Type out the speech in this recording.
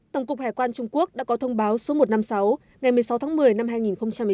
tổng cục hải quan trung quốc đã có thông báo số một trăm năm mươi sáu ngày một mươi sáu tháng một mươi năm hai nghìn một mươi chín